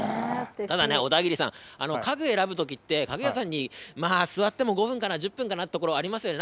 ただね、小田切さん、家具選ぶときって、家具屋さんに座っても５分から１０分かなっていうところありますよね。